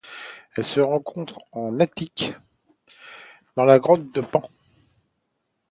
Elle se rencontre en Attique dans la grotte de Pan.